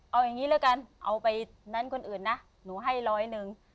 เอาอย่างนี้แล้วกันเอาไปนั้นคนอื่นนะหนูให้ร้อยหนึ่ง